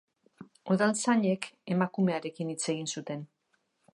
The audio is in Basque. Udaltzainek emakumearekin hitz egin zuten.